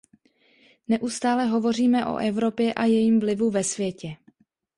Neustále hovoříme o Evropě a jejím vlivu ve světě.